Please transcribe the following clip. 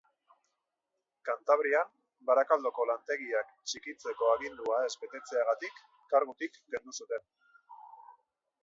Kantabrian, Barakaldoko lantegiak txikitzeko agindua ez betetzeagatik, kargutik kendu zuten.